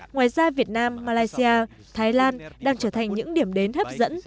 ngoài ra việt nam malaysia thái lan đang trở thành những điểm đến hấp dẫn